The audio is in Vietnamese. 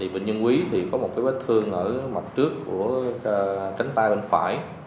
bệnh nhân quý thì có một cái vết thương ở mặt trước của tránh tay bên phải